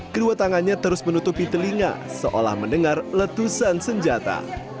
kedua tangannya terus menutupi telinga seolah mendengar letusan senjata